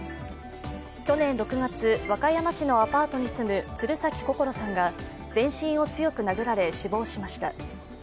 去年６月、和歌山市のアパートに住む鶴崎心桜さんが全身を強く殴られ死亡しました。